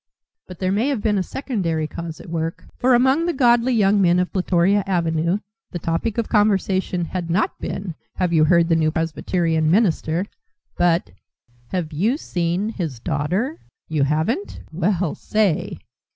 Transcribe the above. But there may have been a secondary cause at work, for among the godly young men of Plutoria Avenue the topic of conversation had not been, "Have you heard the new presbyterian minister?" but, "Have you seen his daughter? You haven't? Well, say!"